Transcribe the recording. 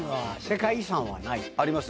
あります